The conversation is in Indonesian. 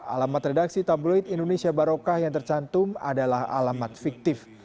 alamat redaksi tabloid indonesia barokah yang tercantum adalah alamat fiktif